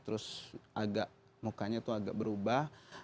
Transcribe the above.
terus agak mukanya itu agak berubah